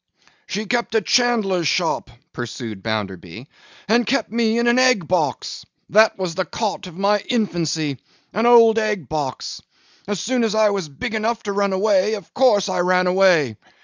'She kept a chandler's shop,' pursued Bounderby, 'and kept me in an egg box. That was the cot of my infancy; an old egg box. As soon as I was big enough to run away, of course I ran away.